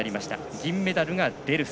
銀メダルがデルス。